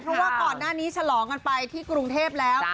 เพราะว่าก่อนหน้านี้ฉลองกันไปที่กรุงเทพแล้ว